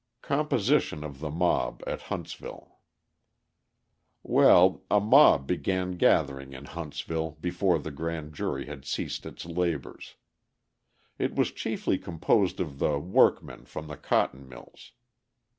Composition of the Mob at Huntsville Well, a mob began gathering in Huntsville before the grand jury had ceased its labours. It was chiefly composed of the workmen from the cotton mills.